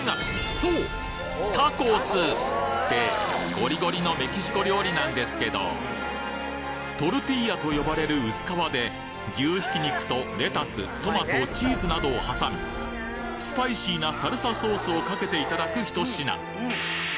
ゴリゴリのメキシコ料理なんですけどトルティーヤと呼ばれる薄皮で牛ひき肉とレタス・トマト・チーズなどを挟みスパイシーなサルサソースをかけて頂くひと品